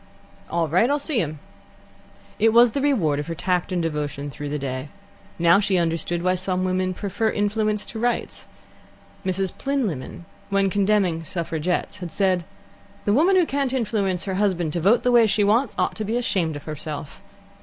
"All right; I'll see him." It was the reward of her tact and devotion through the day. Now she understood why some women prefer influence to rights. Mrs. Plynlimmon, when condemning suffragettes, had said: "The woman who can't influence her husband to vote the way she wants ought to be ashamed of herself."